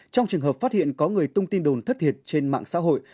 trong trường hợp phát hiện có người tung tin đồn thất thiệt trên mạng xã hội